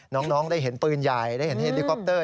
น้องได้เห็นปืนใหญ่ได้เห็นเฮลิคอปเตอร์